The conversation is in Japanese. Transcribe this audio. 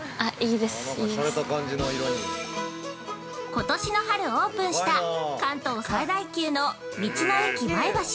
◆今年の春、オープンした関東最大級の道の駅、まえばし